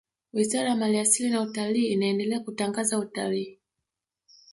wizara ya mali asili na utalii inaendelea kutangaza utalii